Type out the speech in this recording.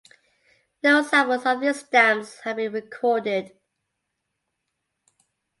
No examples of these stamps have been recorded.